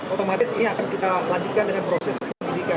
otomatis ini akan kita lanjutkan dengan proses penyidikan